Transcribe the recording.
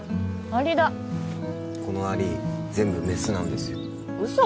アリだこのアリ全部メスなんですよ嘘